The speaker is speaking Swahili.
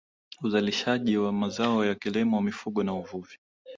uzalishaji wa mazao ya kilimo mifugo na uvuvi